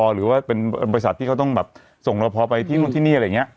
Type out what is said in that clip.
หรือว่าเป็นบริษัทที่เขาต้องแบบส่งรอพอไปที่นู่นที่นี่อะไรอย่างนี้